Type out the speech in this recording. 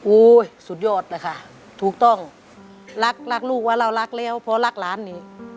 สุดยอดเลยค่ะถูกต้องรักรักลูกว่าเรารักแล้วเพราะรักหลานนี่